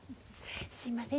すいません